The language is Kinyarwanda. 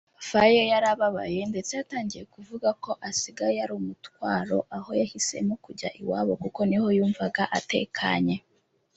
Faye yari ababaye ndetse yatangiye kuvuga ko asigaye ari umutwaro aho yahisemo kujya iwabo kuko niho yumvaga atekanye